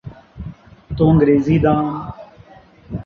تو انگریزی دان۔